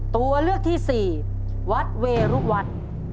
ตัวเลือกที่สี่วัดเวรุวัฒน์